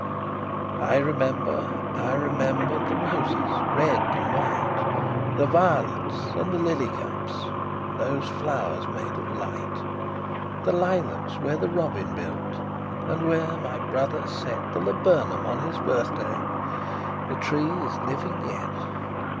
I remember, I remember, The roses, red and white, The violets, and the lily cups, Those flowers made of light! The lilacs where the robin built, And where my brother set The laburnum on his birthday, The tree is living yet!